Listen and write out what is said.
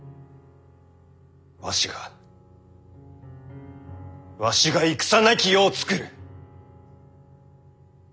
わしがわしが戦なき世を作る。